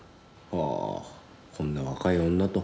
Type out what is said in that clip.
はあこんな若い女と。